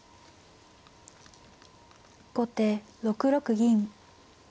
後手６六銀。